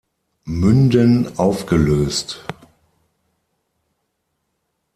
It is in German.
Münden aufgelöst.